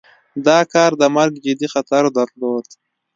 دا کار د مرګ جدي خطر درلود.